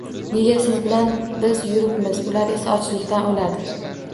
Nega siz bilan biz yuribmiz, ular esa ochlikdan o‘ladi?